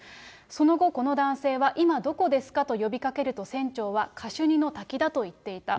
その後、この男性は今、どこですかと呼びかけると船長はカシュニの滝だと言っていた。